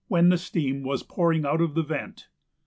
when the steam was pouring out of the vent.